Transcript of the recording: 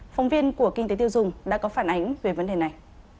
phóng viên của kinh tế tiêu dùng đã có phản ánh về vấn đề này